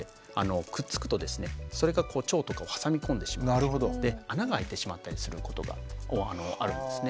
それが腸とかを挟み込んでしまって穴があいてしまったりすることがあるんですね。